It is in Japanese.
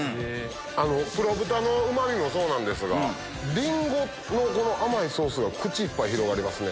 黒豚のうまみもそうなんですがリンゴの甘いソースが口いっぱい広がりますね。